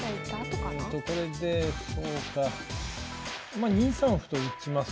まあ２三歩と打ちます。